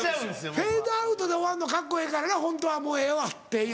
フェードアウトで終わるのカッコええからなホントは「もうええわ」っていう。